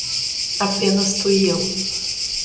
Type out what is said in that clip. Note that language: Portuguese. Apenas tu e eu.